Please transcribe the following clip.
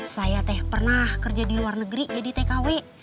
saya teh pernah kerja di luar negeri jadi tkw